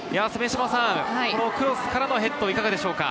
クロスからのヘッドいかがでしょうか？